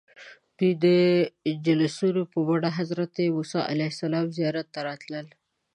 دوی جلوسونه په بڼه د حضرت موسى علیه السلام زیارت ته راتلل.